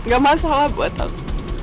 gak masalah buat kamu